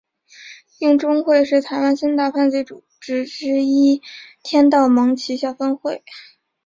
鹰中会是台湾三大犯罪组织之一天道盟旗下分会。